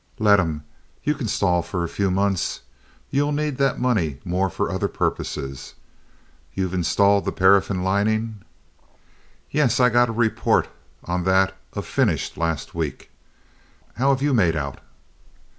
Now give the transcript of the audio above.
"Let 'em. You can stall for a few months. You'll need that money more for other purposes. You've installed that paraffin lining?" "Yes I got a report on that of 'finished' last week. How have you made out?"